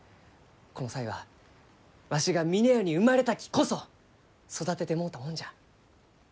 この才はわしが峰屋に生まれたきこそ育ててもろうたもんじゃ。